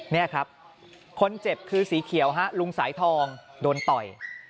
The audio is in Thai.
นี่ครับคนเจ็บคือสีเขียวฮะลุงสายทองโดนต่อย